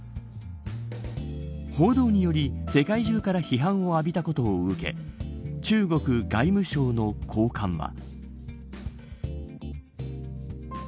報道により世界中から批判を浴びたことを受け中国外務省の高官は。